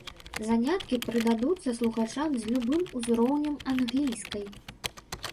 Заняткі прыдадуцца слухачам з любым узроўнем англійскай.